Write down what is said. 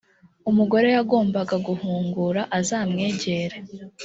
umugore yagombaga guhungura azamwegere,